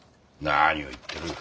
何を言ってる。